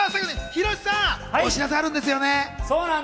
博さん、お知らせあるんですよね。